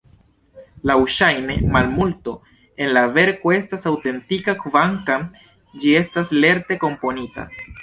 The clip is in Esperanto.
Laŭŝajne, malmulto en la verko estas aŭtentika, kvankam ĝi estas lerte komponita.